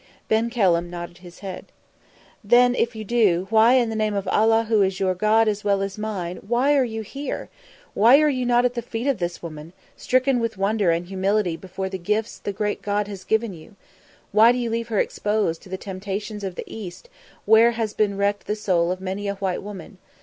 Ben Kelham nodded his head. "Then, if you do, why, in the name of Allah who is your God as well as mine, are you here? Why are you not at the feet of this woman, stricken with wonder and humility before the gifts the great God has given you? Why do you leave her exposed to the temptations of the East, where has been wrecked the soul of many a white woman?